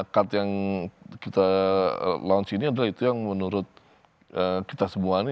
card yang kita launch ini adalah itu yang menurut kita semua ini